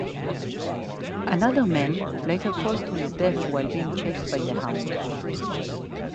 Another man later falls to his death while being chased by the hound.